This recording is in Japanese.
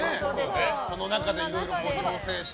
その中で、いろいろ調整して。